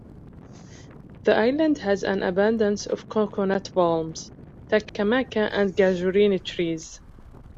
The island has an abundance of coconut palms, "Takamaka" and "Casuarina" trees.